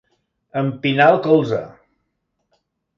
Empinar el colze.